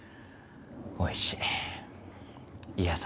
おいしい。